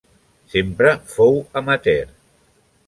Sempre fou amateur.